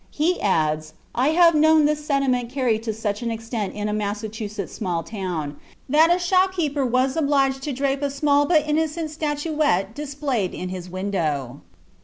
He adds: "I have known this sentiment carried to such an extent in a Massachusetts small town, that a shop keeper was obliged to drape a small, but innocent, statuette displayed in his window."